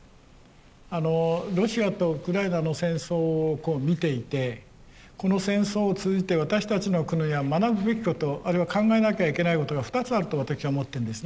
あのロシアとウクライナの戦争を見ていてこの戦争を通じて私たちの国が学ぶべきことあるいは考えなきゃいけないことが２つあると私は思ってるんですね。